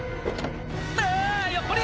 あぁやっぱり！